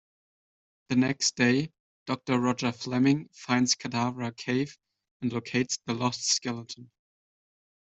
The next day, Doctor Roger Fleming finds Cadavra Cave and locates the Lost Skeleton.